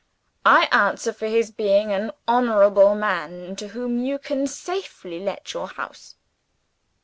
I answer for his being an honorable man, to whom you can safely let your house.